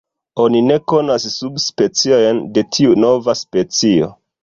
Oni ne konas subspeciojn de tiu “nova” specio.